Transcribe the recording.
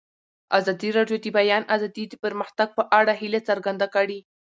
ازادي راډیو د د بیان آزادي د پرمختګ په اړه هیله څرګنده کړې.